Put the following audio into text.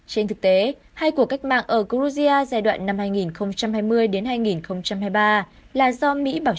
trên thực tế hai cuộc cách mạng ở georgia giai đoạn năm hai nghìn hai mươi hai nghìn hai mươi ba là do mỹ bảo